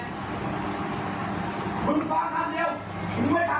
ผมไหนสินะละเธอเขาเธอเยอะอยากรูดบนใจ